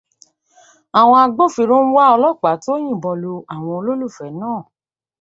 Àwọn agbófinró ń wá ọlọ́pàá tó yìnbọn lu àwọn olólùfẹ̀ẹ́ náà